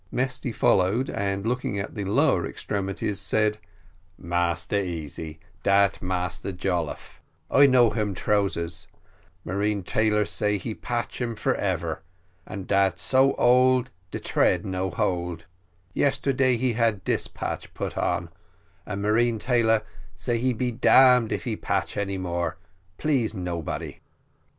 Mesty followed, and looking at the lower extremities said, "Massa Easy, dat Massa Jolliffe, I know him trousers; marine tailor say he patch um for ever, and so old dat de thread no hold; yesterday he had dis patch put in, and marine tailor say he damn if he patch any more, please nobody."